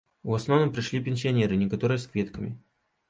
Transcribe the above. У асноўным прыйшлі пенсіянеры, некаторыя з кветкамі.